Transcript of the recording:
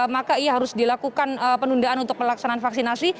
maka ia harus dilakukan penundaan untuk pelaksanaan vaksinasi